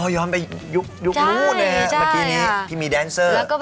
ย้อนไปยุคโม่ทีมีแดนเซอร์